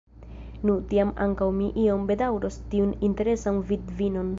Nu, tiam ankaŭ mi iom bedaŭros tiun interesan vidvinon.